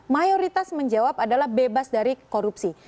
mayoritas menjawab adalah bebas dari korupsi